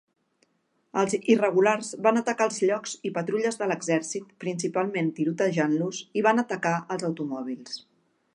Els Irregulars van atacar els llocs i patrulles de l'Exèrcit, principalment tirotejant-los, i van atacar els automòbils.